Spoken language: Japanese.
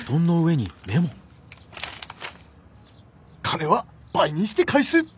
「金は部にして返す！」。